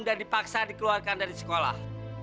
dan dipaksa dikeluarkan dari sekolah